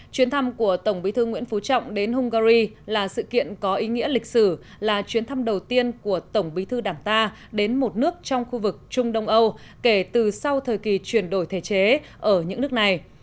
chuyến thăm của tổng bí thư nguyễn phú trọng đến hungary là sự kiện có ý nghĩa lịch sử là chuyến thăm đầu tiên của tổng bí thư đảng ta đến một nước trong khu vực trung đông âu kể từ sau thời kỳ chuyển đổi thể chế ở những nước này